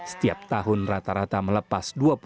setiap tahun rata rata melepas